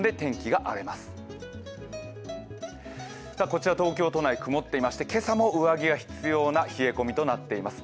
こちら、東京都内曇っていまして今朝も上着が必要な冷え込みとなっています。